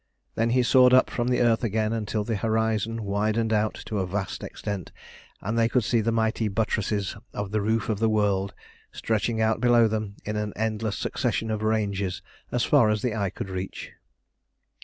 Then he soared up from the earth again, until the horizon widened out to vast extent, and they could see the mighty buttresses of "the Roof of the World" stretching out below them in an endless succession of ranges as far as the eye could reach.